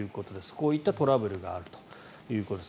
こういったトラブルがあるということです。